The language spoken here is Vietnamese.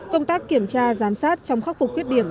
công tác kiểm tra giám sát trong khắc phục khuyết điểm